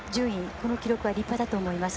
この記録は立派だと思います。